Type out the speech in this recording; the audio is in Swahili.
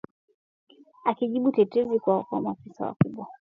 akijibu tetezi kuwa maafisa wa umoja wa ulaya